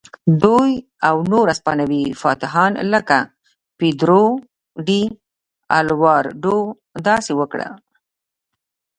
دوی او نور هسپانوي فاتحان لکه پیدرو ډي الواردو داسې وکړل.